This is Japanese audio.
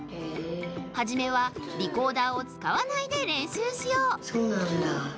はじめはリコーダーをつかわないで練習しようそうなんだ。